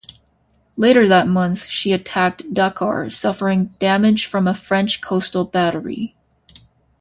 Later that month she attacked Dakar, suffering damage from a French coastal battery.